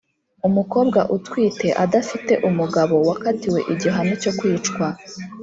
Umukobwa utwite adafite umugabo wakatiwe igihano cyo kwicwa